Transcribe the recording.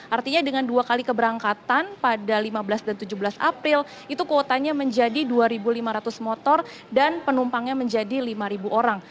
artinya dengan dua kali keberangkatan pada lima belas dan tujuh belas april itu kuotanya menjadi dua lima ratus motor dan penumpangnya menjadi lima orang